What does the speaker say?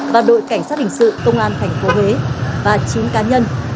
và đội cảnh sát hình sự công an thành phố huế và chín cá nhân